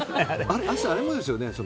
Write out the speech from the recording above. あれもですよね